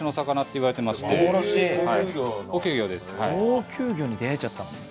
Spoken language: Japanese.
高級魚に出会えちゃったの？